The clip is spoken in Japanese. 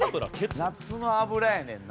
夏の油やねんな。